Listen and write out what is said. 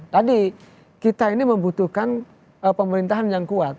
tadi kita ini membutuhkan pemerintahan yang kuat